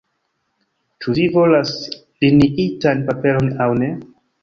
Ĉu vi volas liniitan paperon aŭ ne?